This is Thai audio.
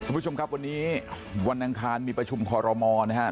คุณผู้ชมครับวันนี้วันอังคารมีประชุมคอรมอลนะครับ